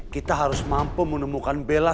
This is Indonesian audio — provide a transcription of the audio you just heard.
kita harus mampu menemukan bela